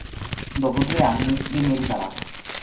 Dopo tre anni venne riparata.